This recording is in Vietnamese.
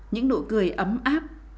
những nụ cười ấm áp